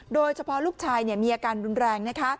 โดยเฉพาะลูกชายมีอาการรุนแรงนะคะ